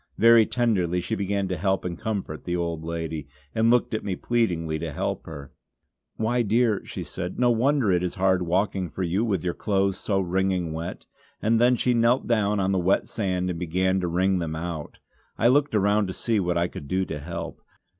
Very tenderly she began to help and comfort the old lady, and looked at me pleadingly to help her. "Why dear" she said "no wonder it is hard walking for you with your clothes so wringing wet," and she knelt down on the wet sand and began to wring them out. I looked around to see what I could do to help.